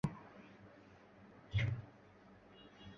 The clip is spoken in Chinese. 一对日本情侣也搭错车